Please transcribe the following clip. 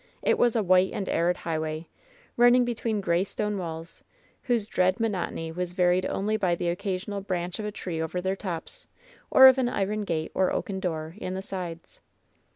It was a white and arid highway, running between gray stone walls, whose dread monotony was varied only by the occasional branch of a tree over their tops, or of an iron .fixate, or oaken door, in the sides.